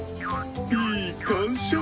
いい感触。